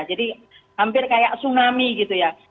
jadi hampir kayak tsunami gitu ya